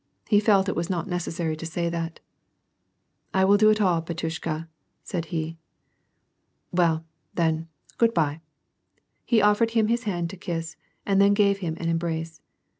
He felt that it was not necessary to say that. "I will do it all, batyushka," said he. " Well, then, good by." He ofForod him his hand to kiss, and then gave him an embrace.